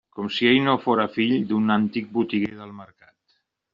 Com si ell no fóra fill d'un antic botiguer del Mercat!